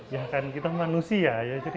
ya kan kita manusia